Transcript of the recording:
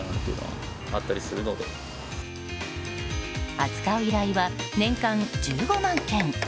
扱う依頼は、年間１５万件。